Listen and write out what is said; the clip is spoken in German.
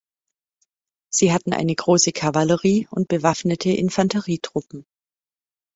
Sie hatten eine große Kavallerie und bewaffnete Infanterietruppen.